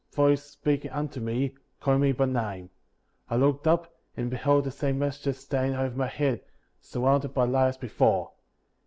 93 voice speaking unto me, calling me by name. J looked up, and beheld the same messenger standing over my head, surrounded by light as before.